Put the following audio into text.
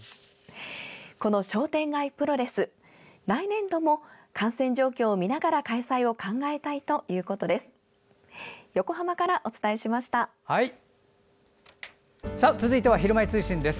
この商店街プロレス来年度も感染状況を見ながら開催を考えたいということです。